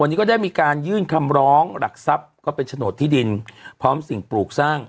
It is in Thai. วันนี้ก็ได้มีการยื่นคำร้องหลักทรัพย์ก็เป็นโฉนดที่ดินพร้อมสิ่งปลูกสร้าง